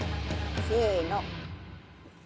せーの。